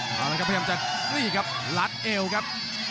พยายามจะลุยครับลัดเอวครับ